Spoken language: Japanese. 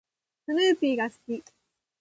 スヌーピーが好き。